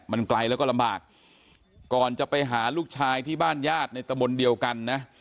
มันไกลแล้วก็ลำบากก่อนจะไปหาลูกชายที่บ้านญาติในตะบนเดียวกันนะ